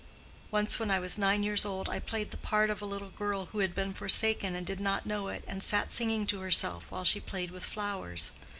Once when I was nine years old, I played the part of a little girl who had been forsaken and did not know it, and sat singing to herself while she played with flowers.